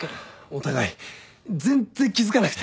お互い全っ然気付かなくて。